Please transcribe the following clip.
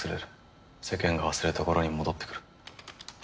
世間が忘れた頃に戻ってくる。